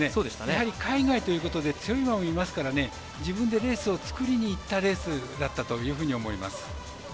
やはり海外ということで強い馬もいますから自分でレースを作りにいったレースというふうに思います。